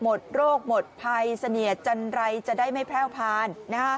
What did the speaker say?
หมดโศกหมดโรคหมดภัยเสนียดจันรัยจะได้ไม่แพร่วพาล